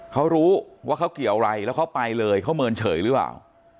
เขารู้ว่าเขาเกี่ยวอะไรแล้วเขาไปเลยเขาเมินเฉยหรือเปล่า